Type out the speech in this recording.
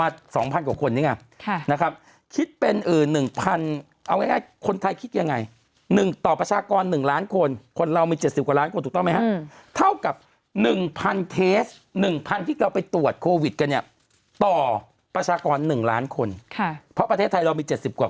ซึ่งเอาความจริงน้อยกว่าเกาหลีไหม